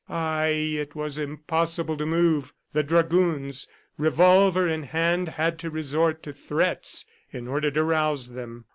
Ay, it was impossible to move! The dragoons, revolver in hand, had to resort to threats in order to rouse them!